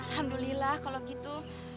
alhamdulillah kalau gitu